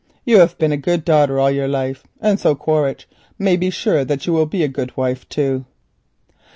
You have been a good daughter all your life, and so Quaritch may be sure that you will be a good wife too."